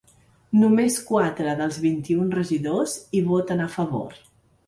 Només quatre dels vint-un regidors hi voten a favor.